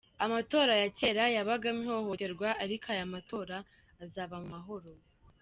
amatora ya kera yabagamo ihohoterwa ariko aya matora azaba mu mahoro.